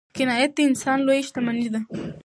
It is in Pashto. قناعت د انسان لویه شتمني ده.